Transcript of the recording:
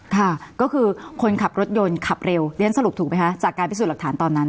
ค่ะก็คือคนขับรถยนต์ขับเร็วเรียนสรุปถูกไหมคะจากการพิสูจน์หลักฐานตอนนั้น